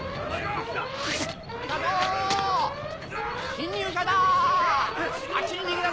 侵入者だ！